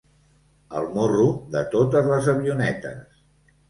El morro de totes les avionetes.